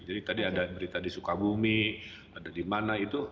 jadi tadi ada berita di sukabumi ada di mana itu